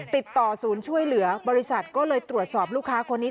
ติดต่อศูนย์ช่วยเหลือบริษัทก็เลยตรวจสอบลูกค้าคนนี้